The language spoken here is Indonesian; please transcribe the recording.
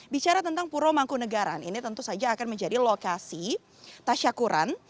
bicara tentang puro mangkun degaran ini tentu saja akan menjadi lokasi tasya kuran